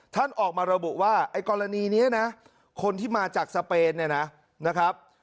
ท่านออกมาระบุว่าไอ้กรณีนี้นะคนที่มาจากสเปนเนี่ยนะครับ